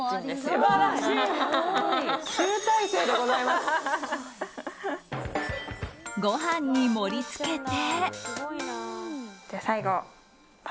ご飯に盛り付けて。